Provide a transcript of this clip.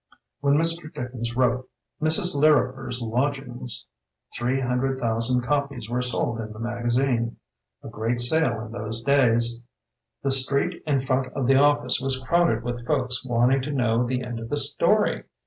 "When Mr. Dickens wrote 'Mrs. Lir riper's Lodgings' three hundred thou sand copies were sold in the magazine — a great sale in those days. The street in front of the office was crowded with folks wanting to know the end of the story.